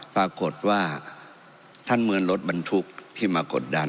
ปรากฏว่าท่านเหมือนรถบรรทุกที่มากดดัน